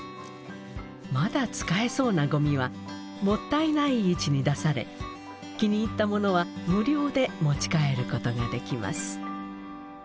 まだ使えそうなゴミはもったいない市に出され気に入った物は無料で持ち帰ることができます。